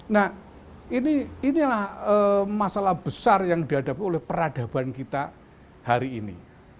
nah inilah masalah besar yang dihadapi oleh peradaban kita hari ini